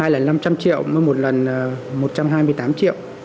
hai lần năm trăm linh triệu một lần một trăm hai mươi tám triệu